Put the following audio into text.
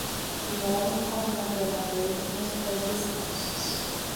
Um homem corre na grama verde com os pés descalços.